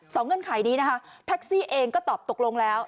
เงื่อนไขนี้นะคะแท็กซี่เองก็ตอบตกลงแล้ว